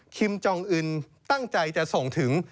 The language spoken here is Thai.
จองอื่นตั้งใจจะส่งถึง